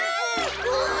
うわ！